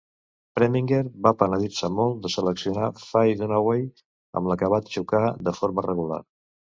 Preminger va penedir-se molt de seleccionar Faye Dunaway, amb la que va xocar de forma regular.